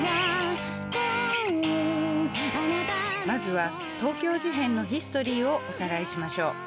まずは東京事変のヒストリーをおさらいしましょう。